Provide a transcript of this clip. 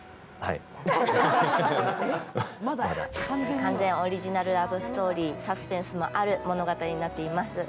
完全オリジナルラブストーリー、サスペンスもある物語になっています。